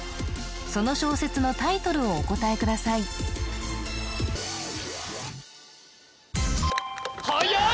その小説のタイトルをお答えくださいはやい！